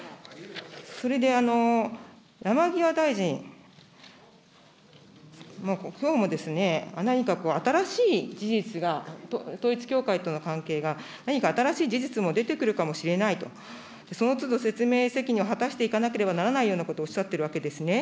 それで、山際大臣、きょうも何かこう、新しい事実が、統一教会との関係が、何か新しい事実も出てくるかもしれないと、そのつど説明責任を果たしていかなければならないようなことをおっしゃっているわけですね。